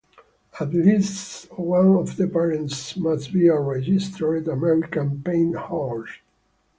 At least one of the parents must be a registered American Paint Horse.